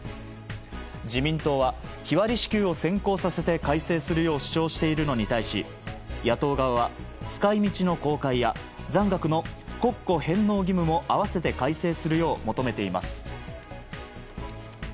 自民党は日割り支給を先行させて改正するよう主張しているのに対し野党側は、使い道の公開や残額の国庫返納義務も合わせて改正するよう求めています。